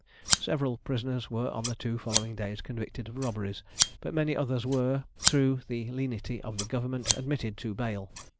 Several prisoners were on the two following days convicted of robberies, but many others were, through the lenity of the government, admitted to bail.